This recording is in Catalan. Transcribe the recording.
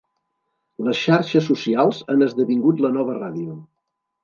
Les xarxes socials han esdevingut la nova ràdio.